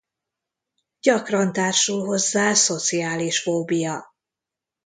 Gyakran társul hozzá szociális fóbia.